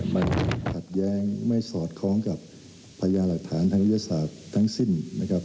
มันขัดแย้งไม่สอดคล้องกับพญาหลักฐานทางวิทยาศาสตร์ทั้งสิ้นนะครับ